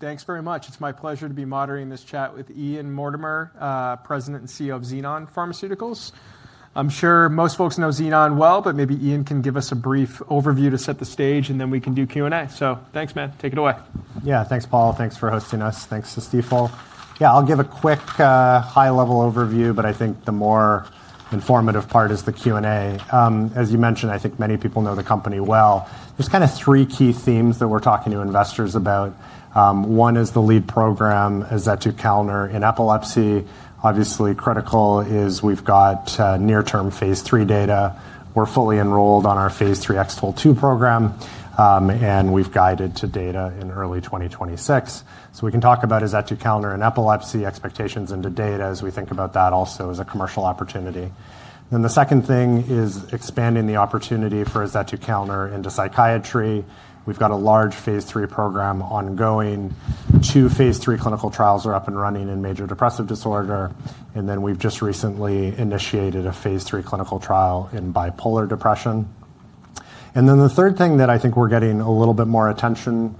Thanks very much. It's my pleasure to be moderating this chat with Ian Mortimer, President and CEO of Xenon Pharmaceuticals. I'm sure most folks know Xenon well, but maybe Ian can give us a brief overview to set the stage, and then we can do Q&A. Thanks, man. Take it away. Yeah, thanks, Paul. Thanks for hosting us. Thanks to Steve Fogg. Yeah, I'll give a quick high-level overview, but I think the more informative part is the Q&A. As you mentioned, I think many people know the company well. There's kind of three key themes that we're talking to investors about. One is the lead program, azetukalner in epilepsy. Obviously, critical is we've got near-term phase III data. We're fully enrolled on our phase III X-TOLE2 program, and we've guided to data in early 2026. We can talk about azetukalner in epilepsy, expectations into data, as we think about that also as a commercial opportunity. The second thing is expanding the opportunity for azetukalner into psychiatry. We've got a large phase III program ongoing. Two phase III clinical trials are up and running in major depressive disorder. We have just recently initiated a phase III clinical trial in bipolar depression. The third thing that I think we are getting a little bit more attention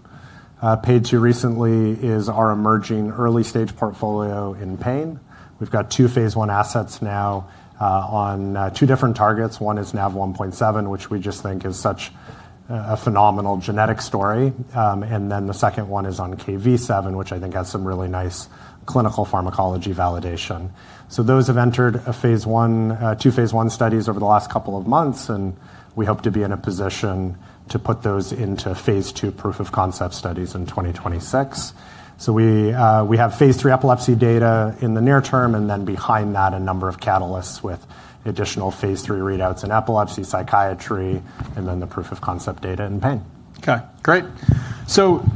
paid to recently is our emerging early-stage portfolio in pain. We have two phase one assets now on two different targets. One is NaV1.7, which we just think is such a phenomenal genetic story. The second one is on Kv7, which I think has some really nice clinical pharmacology validation. Those have entered two phase one studies over the last couple of months, and we hope to be in a position to put those into phase II proof of concept studies in 2026. We have phase III epilepsy data in the near term, and then behind that, a number of catalysts with additional phase III readouts in epilepsy, psychiatry, and then the proof of concept data in pain. Okay, great.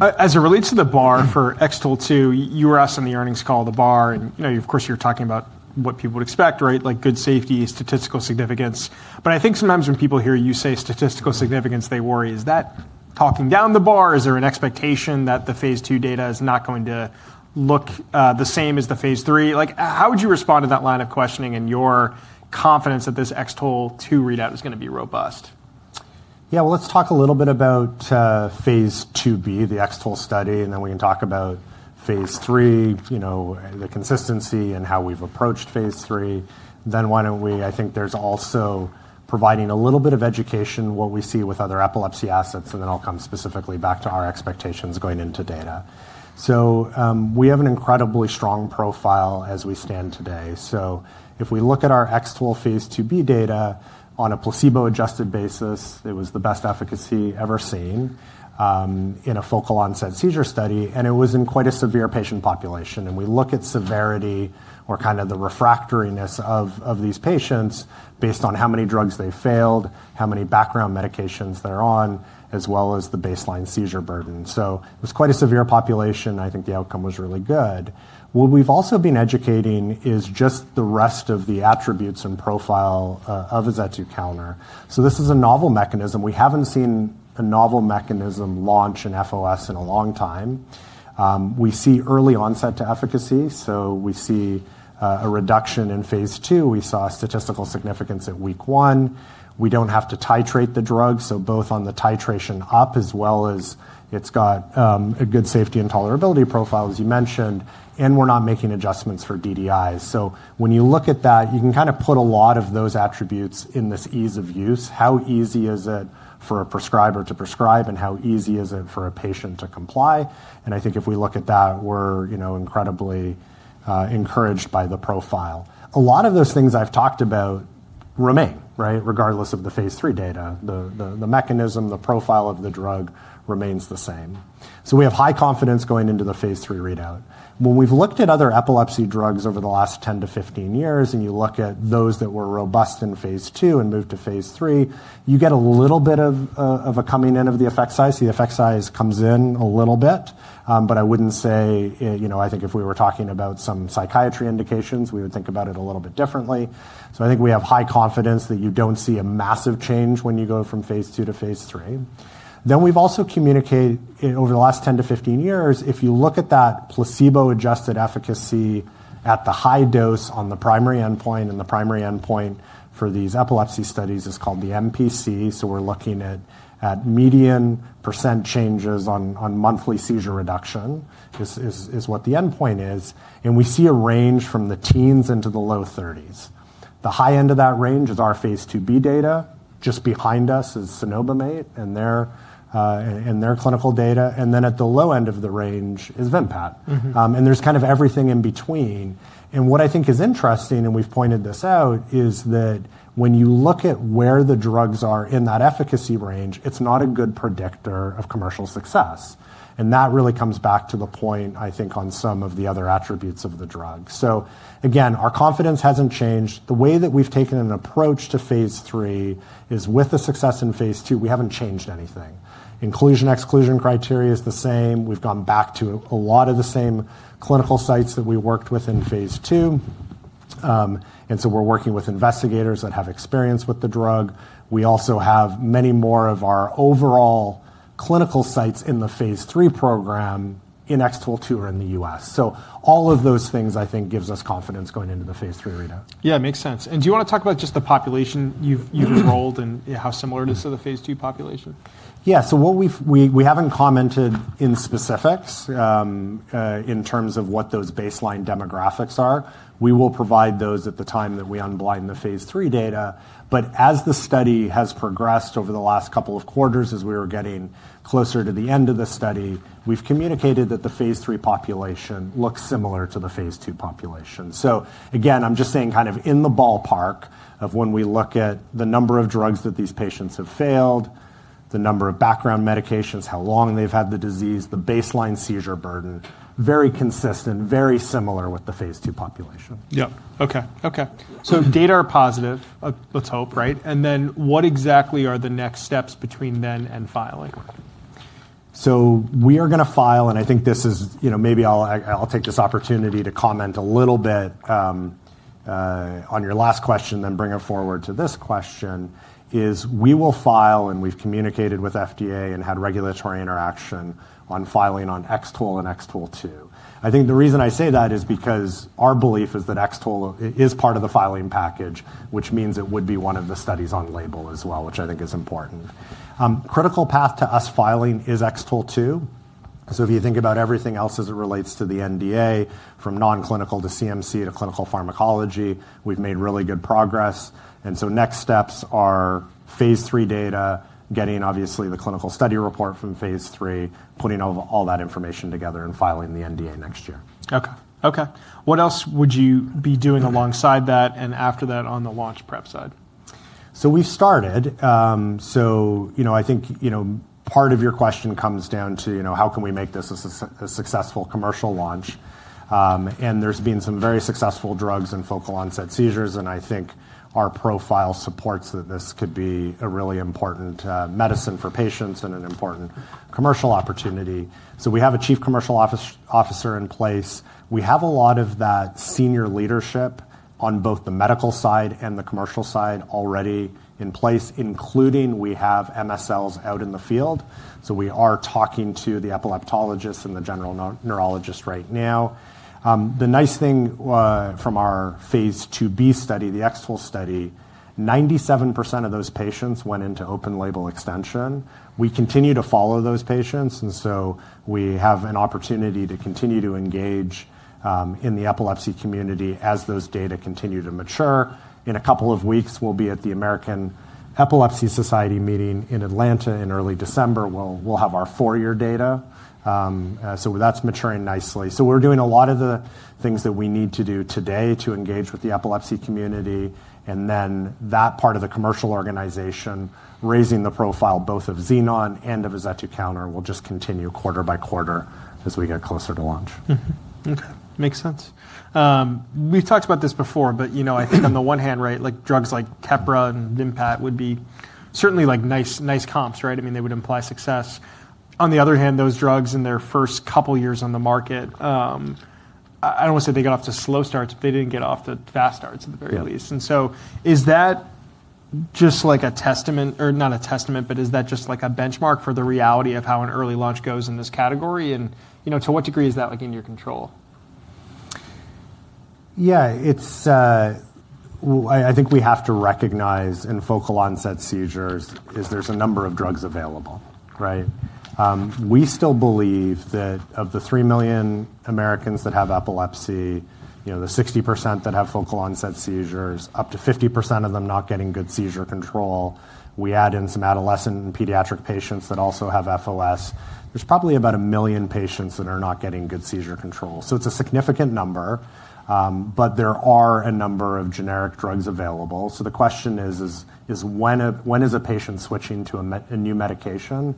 As it relates to the bar for X-TOLE2, you were asked on the earnings call the bar, and of course, you're talking about what people would expect, right? Like good safety, statistical significance. I think sometimes when people hear you say statistical significance, they worry. Is that talking down the bar? Is there an expectation that the phase II data is not going to look the same as the phase III? How would you respond to that line of questioning and your confidence that this X-TOLE2 readout is going to be robust? Yeah, let's talk a little bit phase II-B, the X-TOLE study, and then we can talk about phase III, the consistency and how we've approached phase III. I think there's also providing a little bit of education, what we see with other epilepsy assets, and then I'll come specifically back to our expectations going into data. We have an incredibly strong profile as we stand today. If we look at our phase II-B data on a placebo-adjusted basis, it was the best efficacy ever seen in a focal onset seizure study, and it was in quite a severe patient population. We look at severity or kind of the refractoriness of these patients based on how many drugs they failed, how many background medications they're on, as well as the baseline seizure burden. It was quite a severe population, and I think the outcome was really good. What we've also been educating is just the rest of the attributes and profile of azetukalner. This is a novel mechanism. We have not seen a novel mechanism launch in FOS in a long time. We see early onset to efficacy, so we see a reduction in phase II. We saw statistical significance at week one. We do not have to titrate the drug, so both on the titration up as well as it has a good safety and tolerability profile, as you mentioned, and we are not making adjustments for DDIs. When you look at that, you can kind of put a lot of those attributes in this ease of use. How easy is it for a prescriber to prescribe, and how easy is it for a patient to comply? I think if we look at that, we're incredibly encouraged by the profile. A lot of those things I've talked about remain, right? Regardless of the phase III data, the mechanism, the profile of the drug remains the same. We have high confidence going into the phase III readout. When we've looked at other epilepsy drugs over the last 10 to 15 years, and you look at those that were robust in phase II and moved to phase III, you get a little bit of a coming in of the effect size. The effect size comes in a little bit, but I wouldn't say, I think if we were talking about some psychiatry indications, we would think about it a little bit differently. I think we have high confidence that you don't see a massive change when you go from phase II to phase III. We've also communicated over the last 10 to 15 years, if you look at that placebo-adjusted efficacy at the high dose on the primary endpoint, and the primary endpoint for these epilepsy studies is called the MPC. We're looking at median percent changes on monthly seizure reduction is what the endpoint is. We see a range from the teens into the low 30s. The high end of that range is phase II-B data. Just behind us is cenobamate and their clinical data. At the low end of the range is Vimpat. There's kind of everything in between. What I think is interesting, and we've pointed this out, is that when you look at where the drugs are in that efficacy range, it's not a good predictor of commercial success. That really comes back to the point, I think, on some of the other attributes of the drug. Again, our confidence hasn't changed. The way that we've taken an approach to phase III is with the success in phase II, we haven't changed anything. Inclusion-exclusion criteria is the same. We've gone back to a lot of the same clinical sites that we worked with in phase II. We're working with investigators that have experience with the drug. We also have many more of our overall clinical sites in the phase III program in X-TOLE2 or in the U.S. All of those things, I think, give us confidence going into the phase III readout. Yeah, it makes sense. Do you want to talk about just the population you've enrolled and how similar it is to the phase II population? Yeah, so what we haven't commented in specifics in terms of what those baseline demographics are. We will provide those at the time that we unblind the phase III data. As the study has progressed over the last couple of quarters, as we were getting closer to the end of the study, we've communicated that the phase III population looks similar to the phase II population. Again, I'm just saying kind of in the ballpark of when we look at the number of drugs that these patients have failed, the number of background medications, how long they've had the disease, the baseline seizure burden, very consistent, very similar with the phase II population. Yeah, okay, okay. Data are positive, let's hope, right? What exactly are the next steps between then and filing? We are going to file, and I think this is maybe I'll take this opportunity to comment a little bit on your last question, then bring it forward to this question, is we will file, and we've communicated with FDA and had regulatory interaction on filing on X-TOLE and X-TOLE2. I think the reason I say that is because our belief is that X-TOLE is part of the filing package, which means it would be one of the studies on label as well, which I think is important. Critical path to us filing is X-TOLE2. If you think about everything else as it relates to the NDA, from non-clinical to CMC to clinical pharmacology, we've made really good progress. Next steps are phase III data, getting obviously the clinical study report from phase III, putting all that information together and filing the NDA next year. Okay, okay. What else would you be doing alongside that and after that on the launch prep side? We've started. I think part of your question comes down to how can we make this a successful commercial launch? There's been some very successful drugs in focal onset seizures, and I think our profile supports that this could be a really important medicine for patients and an important commercial opportunity. We have a Chief Commercial Officer in place. We have a lot of that senior leadership on both the medical side and the commercial side already in place, including we have MSLs out in the field. We are talking to the epileptologists and the general neurologist right now. The nice thing from phase II-B study, the X-TOLE study, 97% of those patients went into open label extension. We continue to follow those patients, and so we have an opportunity to continue to engage in the epilepsy community as those data continue to mature. In a couple of weeks, we'll be at the American Epilepsy Society meeting in Atlanta in early December. We'll have our four-year data. That is maturing nicely. We are doing a lot of the things that we need to do today to engage with the epilepsy community. That part of the commercial organization, raising the profile both of Xenon and of azetukalner, will just continue quarter by quarter as we get closer to launch. Okay, makes sense. We've talked about this before, but I think on the one hand, right, drugs like Keppra and Vimpat would be certainly nice comps, right? I mean, they would imply success. On the other hand, those drugs in their first couple of years on the market, I don't want to say they got off to slow starts, but they didn't get off to fast starts at the very least. Is that just like a testament, or not a testament, but is that just like a benchmark for the reality of how an early launch goes in this category? To what degree is that in your control? Yeah, I think we have to recognize in focal onset seizures is there's a number of drugs available, right? We still believe that of the 3 million Americans that have epilepsy, the 60% that have focal onset seizures, up to 50% of them not getting good seizure control. We add in some adolescent and pediatric patients that also have FOS. There's probably about a million patients that are not getting good seizure control. It is a significant number, but there are a number of generic drugs available. The question is, when is a patient switching to a new medication,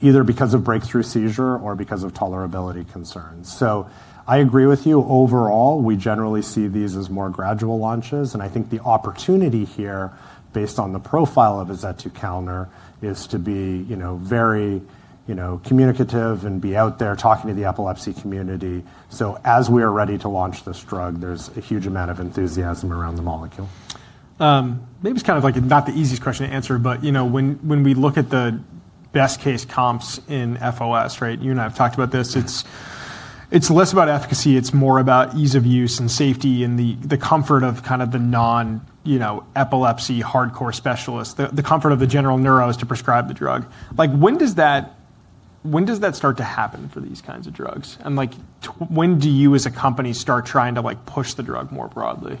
either because of breakthrough seizure or because of tolerability concerns? I agree with you. Overall, we generally see these as more gradual launches. I think the opportunity here, based on the profile of azetukalner, is to be very communicative and be out there talking to the epilepsy community. As we are ready to launch this drug, there's a huge amount of enthusiasm around the molecule. Maybe it's kind of like not the easiest question to answer, but when we look at the best case comps in FOS, right? You and I have talked about this. It's less about efficacy. It's more about ease of use and safety and the comfort of kind of the non-epilepsy hardcore specialists, the comfort of the general neuros to prescribe the drug. When does that start to happen for these kinds of drugs? When do you as a company start trying to push the drug more broadly?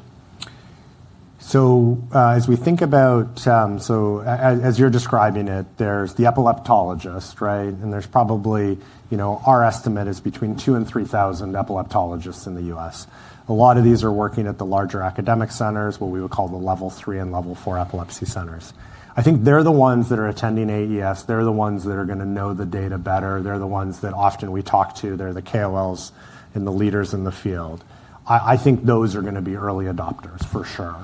As we think about, as you're describing it, there's the epileptologists, right? And there's probably, our estimate is between 2,000 and 3,000 epileptologists in the U.S. A lot of these are working at the larger academic centers, what we would call the level three and level four epilepsy centers. I think they're the ones that are attending AES. They're the ones that are going to know the data better. They're the ones that often we talk to. They're the KOLs and the leaders in the field. I think those are going to be early adopters for sure.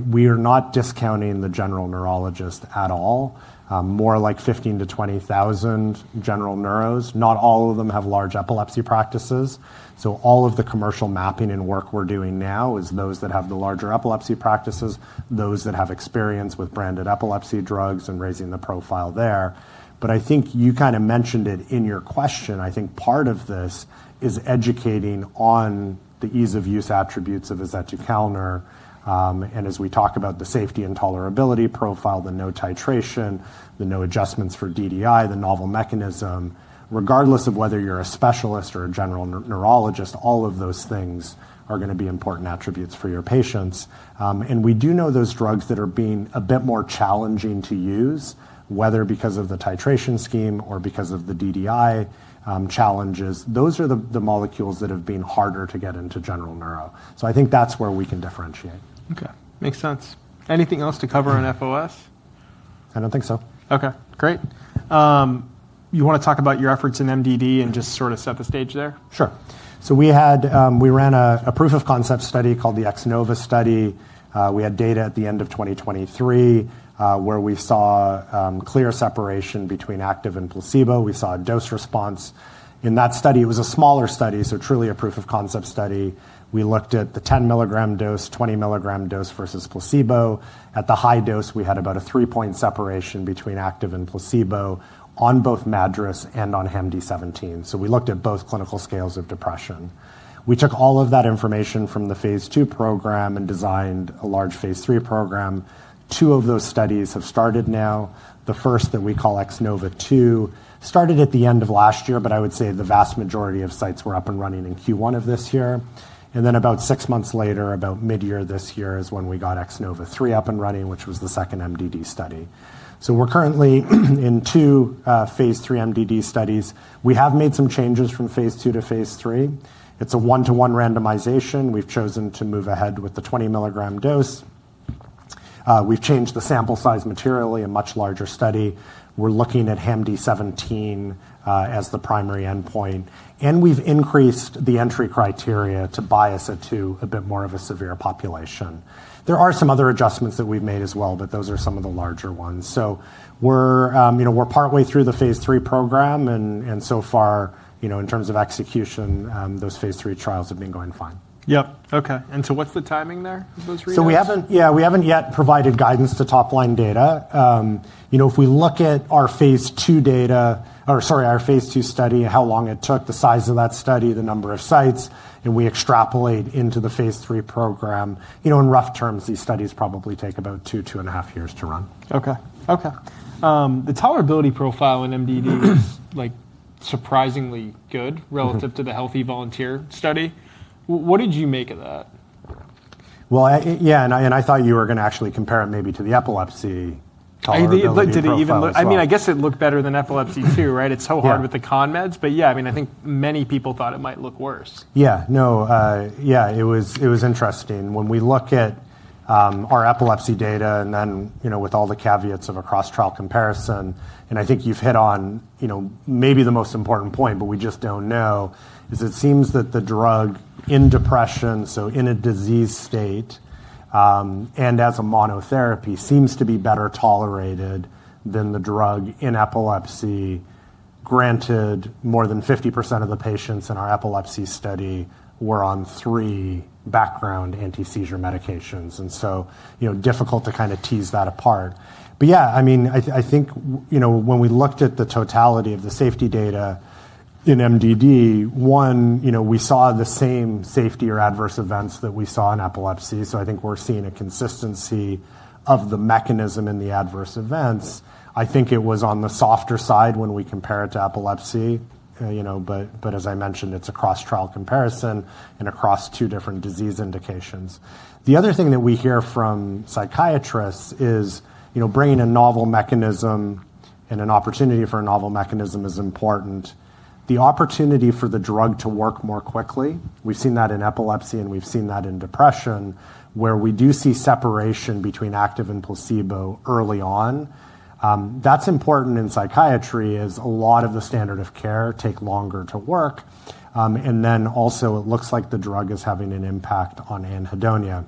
We are not discounting the general neurologist at all. More like 15,000-20,000 general neuros. Not all of them have large epilepsy practices. All of the commercial mapping and work we're doing now is those that have the larger epilepsy practices, those that have experience with branded epilepsy drugs and raising the profile there. I think you kind of mentioned it in your question. I think part of this is educating on the ease of use attributes of azetukalner. As we talk about the safety and tolerability profile, the no titration, the no adjustments for DDI, the novel mechanism, regardless of whether you're a specialist or a general neurologist, all of those things are going to be important attributes for your patients. We do know those drugs that are being a bit more challenging to use, whether because of the titration scheme or because of the DDI challenges. Those are the molecules that have been harder to get into general neuro. I think that's where we can differentiate. Okay, makes sense. Anything else to cover on FOS? I don't think so. Okay, great. You want to talk about your efforts in MDD and just sort of set the stage there? Sure. So we ran a proof of concept study called the X-NOVA study. We had data at the end of 2023 where we saw clear separation between active and placebo. We saw a dose response. In that study, it was a smaller study, so truly a proof of concept study. We looked at the 10 milligram dose, 20 mg dose versus placebo. At the high dose, we had about a three-point separation between active and placebo on both MADRS and on HAM-D17. So we looked at both clinical scales of depression. We took all of that information from the phase II program and designed a large phase III program. Two of those studies have started now. The first that we call X-NOVA two started at the end of last year, but I would say the vast majority of sites were up and running in Q1 of this year. About six months later, about mid-year this year is when we got X-NOVA3 up and running, which was the second MDD study. We are currently in two phase III MDD studies. We have made some changes from phase II to phase III. it is a one-to-one randomization. We have chosen to move ahead with the 20 mg dose. We have changed the sample size materially in a much larger study. We are looking at HAM-D17 as the primary endpoint. We have increased the entry criteria to bias it to a bit more of a severe population. There are some other adjustments that we have made as well, but those are some of the larger ones. We are partway through the phase III program. In terms of execution, those phase III trials have been going fine. Yep, okay. What's the timing there of those readings? We have not, yeah, we have not yet provided guidance to top-line data. If we look at our phase II data, or sorry, our phase II study, how long it took, the size of that study, the number of sites, and we extrapolate into the phase III program. In rough terms, these studies probably take about two, two and a half years to run. Okay, okay. The tolerability profile in MDD is surprisingly good relative to the healthy volunteer study. What did you make of that? Yeah, and I thought you were going to actually compare it maybe to the epilepsy tolerability. I mean, I guess it looked better than epilepsy too, right? It's so hard with the con meds. Yeah, I mean, I think many people thought it might look worse. Yeah, no, yeah, it was interesting. When we look at our epilepsy data and then with all the caveats of a cross-trial comparison, and I think you've hit on maybe the most important point, but we just don't know, is it seems that the drug in depression, so in a disease state and as a monotherapy, seems to be better tolerated than the drug in epilepsy. Granted, more than 50% of the patients in our epilepsy study were on three background anti-seizure medications. And so difficult to kind of tease that apart. Yeah, I mean, I think when we looked at the totality of the safety data in MDD, one, we saw the same safety or adverse events that we saw in epilepsy. I think we're seeing a consistency of the mechanism in the adverse events. I think it was on the softer side when we compare it to epilepsy. But as I mentioned, it's a cross-trial comparison and across two different disease indications. The other thing that we hear from psychiatrists is bringing a novel mechanism and an opportunity for a novel mechanism is important. The opportunity for the drug to work more quickly. We've seen that in epilepsy and we've seen that in depression, where we do see separation between active and placebo early on. That's important in psychiatry as a lot of the standard of care takes longer to work. And then also it looks like the drug is having an impact on anhedonia.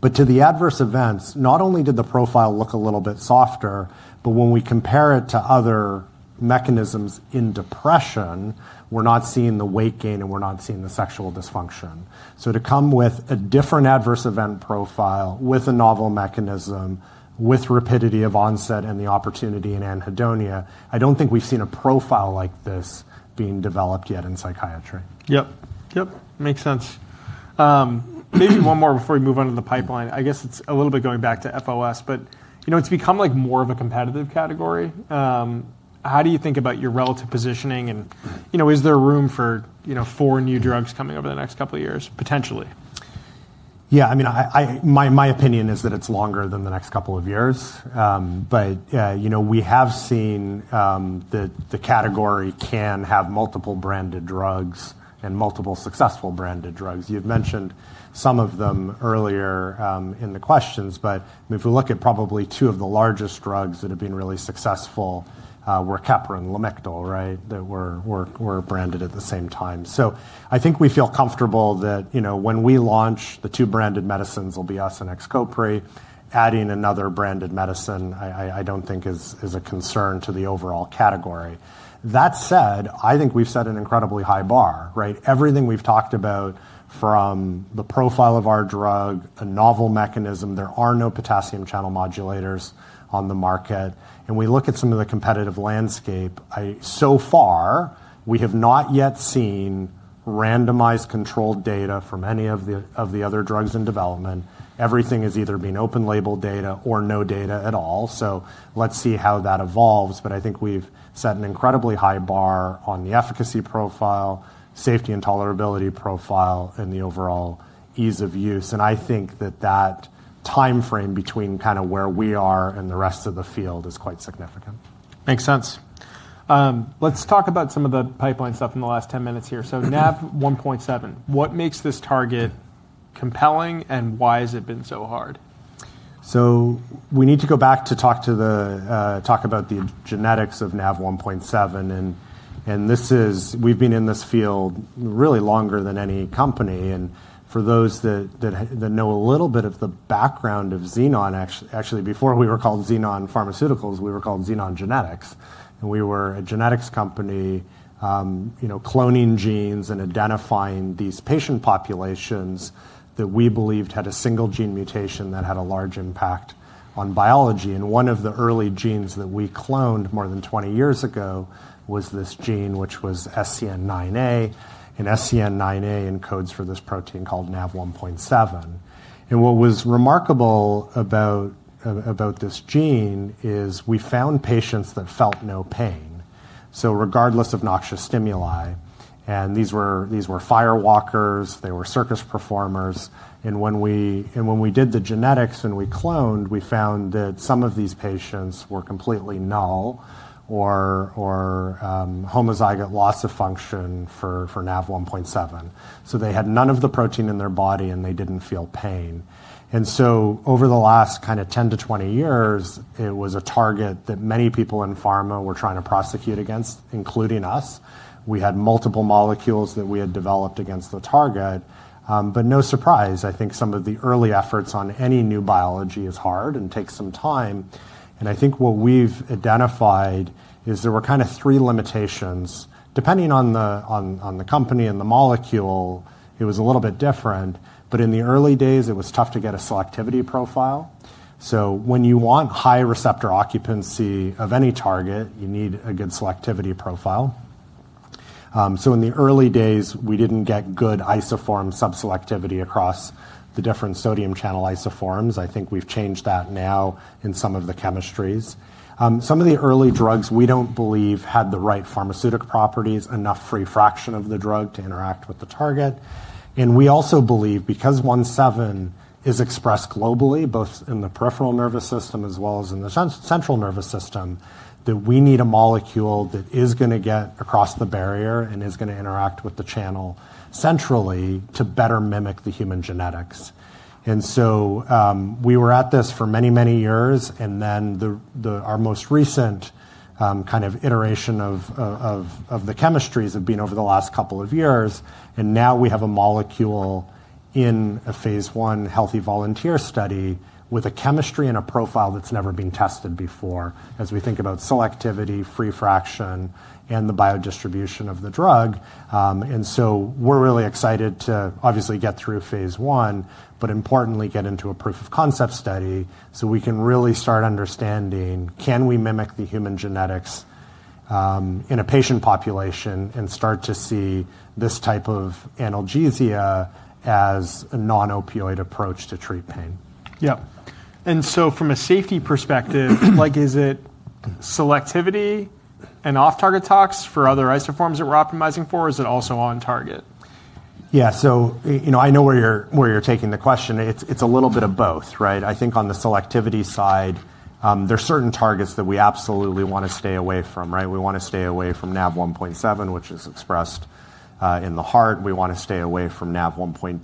But to the adverse events, not only did the profile look a little bit softer, but when we compare it to other mechanisms in depression, we're not seeing the weight gain and we're not seeing the sexual dysfunction. To come with a different adverse event profile with a novel mechanism, with rapidity of onset and the opportunity in anhedonia, I don't think we've seen a profile like this being developed yet in psychiatry. Yep, yep, makes sense. Maybe one more before we move on to the pipeline. I guess it's a little bit going back to FOS, but it's become more of a competitive category. How do you think about your relative positioning and is there room for four new drugs coming over the next couple of years, potentially? Yeah, I mean, my opinion is that it's longer than the next couple of years. But we have seen that the category can have multiple branded drugs and multiple successful branded drugs. You had mentioned some of them earlier in the questions, but if we look at probably two of the largest drugs that have been really successful, were Keppra and Lamictal, right, that were branded at the same time. So I think we feel comfortable that when we launch the two branded medicines, it'll be us and Xcopri, adding another branded medicine, I don't think is a concern to the overall category. That said, I think we've set an incredibly high bar, right? Everything we've talked about from the profile of our drug, a novel mechanism, there are no potassium channel modulators on the market. And we look at some of the competitive landscape. So far, we have not yet seen randomized controlled data from any of the other drugs in development. Everything has either been open label data or no data at all. Let's see how that evolves. I think we've set an incredibly high bar on the efficacy profile, safety and tolerability profile, and the overall ease of use. I think that that timeframe between kind of where we are and the rest of the field is quite significant. Makes sense. Let's talk about some of the pipeline stuff in the last 10 minutes here. So NaV1.7, what makes this target compelling and why has it been so hard? We need to go back to talk about the genetics of NaV1.7. We have been in this field really longer than any company. For those that know a little bit of the background of Xenon, actually, before we were called Xenon Pharmaceuticals, we were called Xenon Genetics. We were a genetics company cloning genes and identifying these patient populations that we believed had a single gene mutation that had a large impact on biology. One of the early genes that we cloned more than 20 years ago was this gene, which was SCN9A. SCN9A encodes for this protein called NaV1.7. What was remarkable about this gene is we found patients that felt no pain, regardless of noxious stimuli. These were firewalkers. They were circus performers. When we did the genetics and we cloned, we found that some of these patients were completely null or homozygous loss of function for NaV1.7. They had none of the protein in their body and they did not feel pain. Over the last kind of 10 to 20 years, it was a target that many people in pharma were trying to prosecute against, including us. We had multiple molecules that we had developed against the target. No surprise, I think some of the early efforts on any new biology is hard and takes some time. I think what we have identified is there were kind of three limitations. Depending on the company and the molecule, it was a little bit different. In the early days, it was tough to get a selectivity profile. When you want high receptor occupancy of any target, you need a good selectivity profile. In the early days, we did not get good isoform subselectivity across the different sodium channel isoforms. I think we have changed that now in some of the chemistries. Some of the early drugs we do not believe had the right pharmaceutic properties, enough free fraction of the drug to interact with the target. We also believe because 1.7 is expressed globally, both in the peripheral nervous system as well as in the central nervous system, that we need a molecule that is going to get across the barrier and is going to interact with the channel centrally to better mimic the human genetics. We were at this for many, many years. Our most recent kind of iteration of the chemistries has been over the last couple of years. We have a molecule in a phase I healthy volunteer study with a chemistry and a profile that's never been tested before as we think about selectivity, free fraction, and the biodistribution of the drug. We are really excited to obviously get through phase I, but importantly, get into a proof of concept study so we can really start understanding, can we mimic the human genetics in a patient population and start to see this type of analgesia as a non-opioid approach to treat pain? Yep. And so from a safety perspective, is it selectivity and off-target tox for other isoforms that we're optimizing for? Is it also on target? Yeah, so I know where you're taking the question. It's a little bit of both, right? I think on the selectivity side, there are certain targets that we absolutely want to stay away from, right? We want to stay away from NaV1.7, which is expressed in the heart. We want to stay away from NaV1.2 and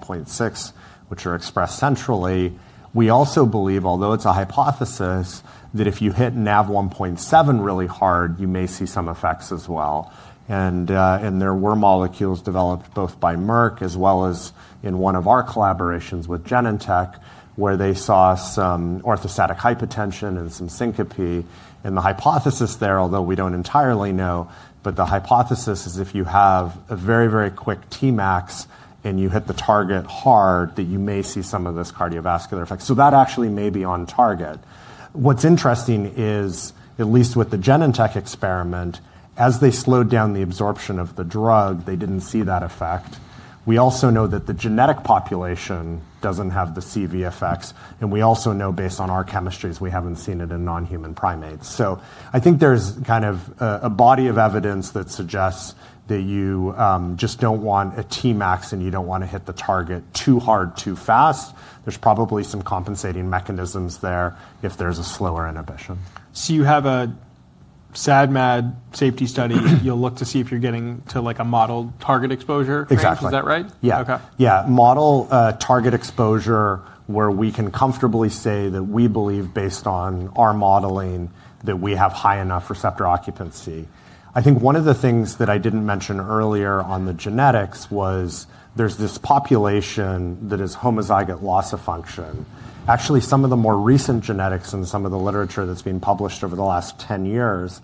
1.6, which are expressed centrally. We also believe, although it's a hypothesis, that if you hit NaV1.7 really hard, you may see some effects as well. There were molecules developed both by Merck as well as in one of our collaborations with Genentech where they saw some orthostatic hypotension and some syncope. The hypothesis there, although we don't entirely know, but the hypothesis is if you have a very, very quick T-max and you hit the target hard, that you may see some of this cardiovascular effect. That actually may be on target. What's interesting is, at least with the Genentech experiment, as they slowed down the absorption of the drug, they didn't see that effect. We also know that the genetic population doesn't have the CV effects. And we also know based on our chemistries, we haven't seen it in non-human primates. I think there's kind of a body of evidence that suggests that you just don't want a T-max and you don't want to hit the target too hard, too fast. There's probably some compensating mechanisms there if there's a slower inhibition. So you have a SAD MAD safety study that you'll look to see if you're getting to a model target exposure? Exactly. Is that right? Yeah. Okay. Yeah, model target exposure where we can comfortably say that we believe, based on our modeling, that we have high enough receptor occupancy. I think one of the things that I didn't mention earlier on the genetics was there's this population that is homozygous loss of function. Actually, some of the more recent genetics and some of the literature that's been published over the last 10 years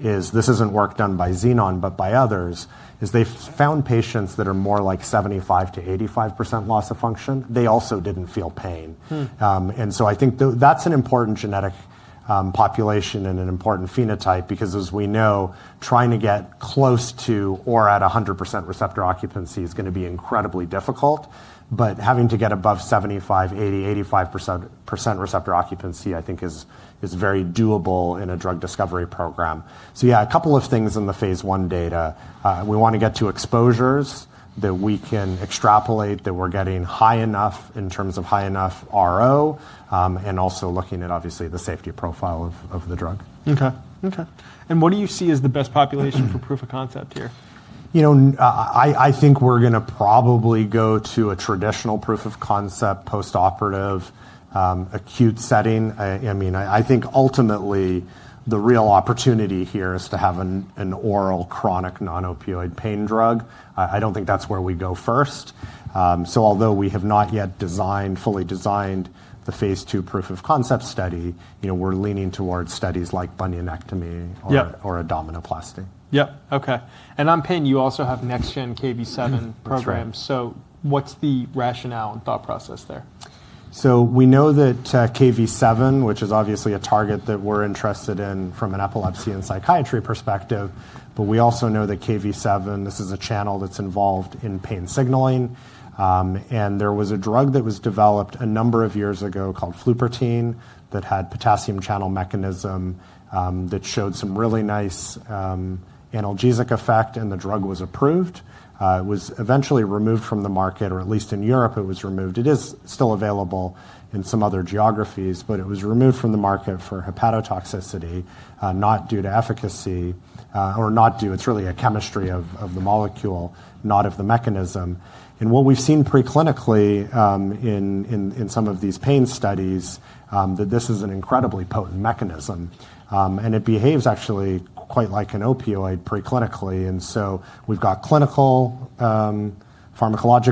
is this isn't work done by Xenon, but by others, is they found patients that are more like 75%-85% loss of function. They also didn't feel pain. I think that's an important genetic population and an important phenotype because, as we know, trying to get close to or at 100% receptor occupancy is going to be incredibly difficult. Having to get above 75%, 80%, 85% receptor occupancy, I think, is very doable in a drug discovery program. Yeah, a couple of things in the phase I data. We want to get to exposures that we can extrapolate that we're getting high enough in terms of high enough RO and also looking at, obviously, the safety profile of the drug. Okay, okay. What do you see as the best population for proof of concept here? I think we're going to probably go to a traditional proof of concept post-operative acute setting. I mean, I think ultimately the real opportunity here is to have an oral chronic non-opioid pain drug. I don't think that's where we go first. Although we have not yet fully designed the phase II proof of concept study, we're leaning towards studies like bunionectomy or abdominoplasty. Yep, okay. On pain, you also have NextGen KV7 programs. What is the rationale and thought process there? We know that KV7, which is obviously a target that we're interested in from an epilepsy and psychiatry perspective, but we also know that KV7, this is a channel that's involved in pain signaling. There was a drug that was developed a number of years ago called Flupirtine that had a potassium channel mechanism that showed some really nice analgesic effect, and the drug was approved. It was eventually removed from the market, or at least in Europe, it was removed. It is still available in some other geographies, but it was removed from the market for hepatotoxicity, not due to efficacy or not due, it's really a chemistry of the molecule, not of the mechanism. What we've seen preclinically in some of these pain studies, that this is an incredibly potent mechanism. It behaves actually quite like an opioid preclinically. We've got clinical pharmacologic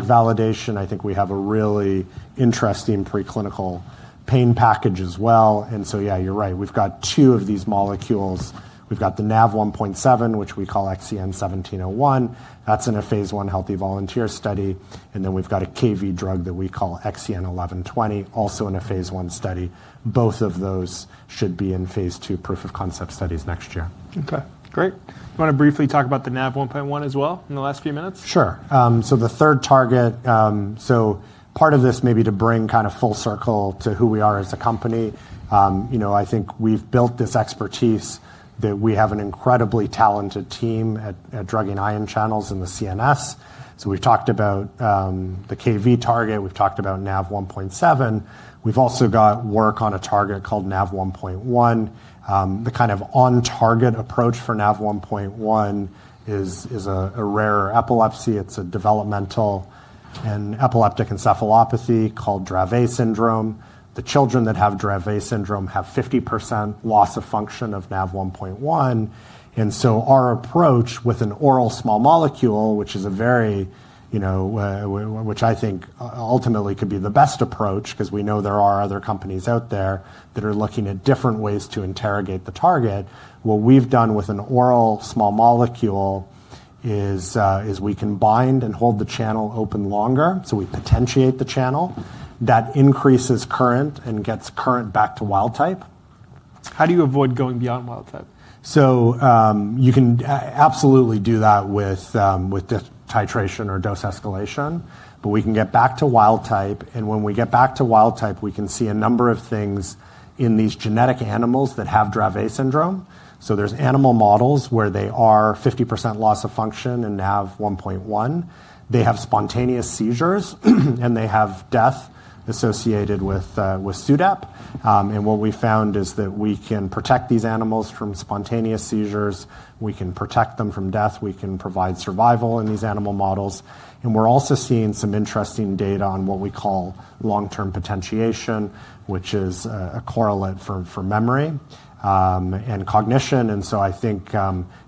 validation. I think we have a really interesting preclinical pain package as well. Yeah, you're right. We've got two of these molecules. We've got the NaV1.7, which we call XEN 1701. That's in a phase I healthy volunteer study. Then we've got a Kv drug that we call XEN 1120, also in a phase I study. Both of those should be in phase II proof of concept studies next year. Okay, great. You want to briefly talk about the NaV1.1 as well in the last few minutes? Sure. The third target, part of this may be to bring kind of full circle to who we are as a company. I think we've built this expertise that we have an incredibly talented team at drugging ion channels and the CNS. We've talked about the KV target. We've talked about NaV1.7. We've also got work on a target called NaV1.1. The kind of on-target approach for NaV1.1 is a rare epilepsy. It's a developmental and epileptic encephalopathy called Dravet syndrome. The children that have Dravet syndrome have 50% loss of function of NaV1.1. Our approach with an oral small molecule, which is a very, which I think ultimately could be the best approach because we know there are other companies out there that are looking at different ways to interrogate the target. What we've done with an oral small molecule is we can bind and hold the channel open longer. So we potentiate the channel. That increases current and gets current back to wild type. How do you avoid going beyond wild type? You can absolutely do that with titration or dose escalation. We can get back to wild type. When we get back to wild type, we can see a number of things in these genetic animals that have Dravet syndrome. There are animal models where they are 50% loss of function in NaV1.1. They have spontaneous seizures, and they have death associated with SUDEP. What we found is that we can protect these animals from spontaneous seizures. We can protect them from death. We can provide survival in these animal models. We are also seeing some interesting data on what we call long-term potentiation, which is a correlate for memory and cognition. I think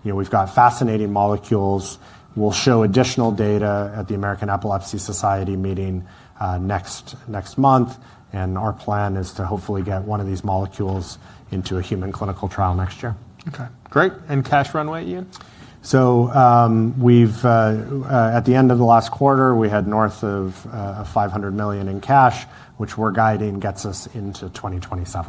we have fascinating molecules. We will show additional data at the American Epilepsy Society meeting next month. Our plan is to hopefully get one of these molecules into a human clinical trial next year. Okay, great. And cash runway, Ian? At the end of the last quarter, we had north of $500 million in cash, which we're guiding gets us into 2027.